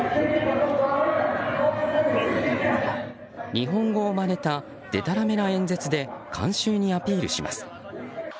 日本語をまねたでたらめな演説で観衆にアピールします。